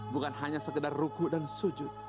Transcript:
bukan hanya sekedar ruku dan sujud